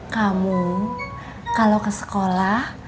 kamu kalau ke sekolah